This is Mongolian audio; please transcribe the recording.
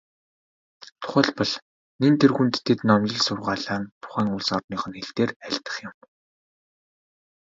Тухайлбал, нэн тэргүүнд тэд номлол сургаалаа тухайн улс орных нь хэл дээр айлдах юм.